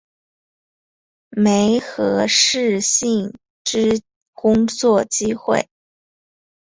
媒合适性之工作机会